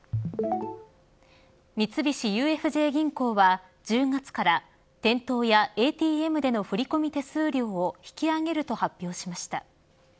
三菱ＵＦＪ銀行は、１０月から店頭やＡＴＭでの振り込み手数料を引き上げると発表しました。